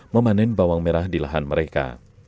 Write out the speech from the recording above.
memanen bawang merah di lahan mereka